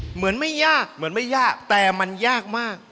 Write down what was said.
เหมือนไม่ยากแต่มันยากมาก